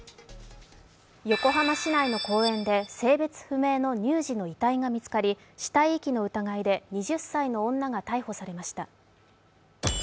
横浜市内の公園で性別不明の乳児の遺体が見つかり、死体遺棄の疑いで２０歳の女が逮捕されました。